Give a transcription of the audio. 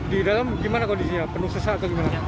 di dalam gimana kondisinya penuh sesak atau gimana